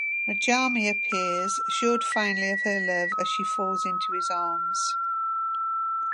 Radjami appears, assured finally of her love, as she falls into his arms.